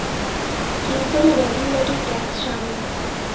قیمتوں میں value added tax شامل ہے